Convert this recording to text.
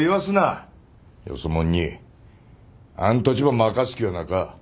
よそ者にあん土地ば任す気はなか。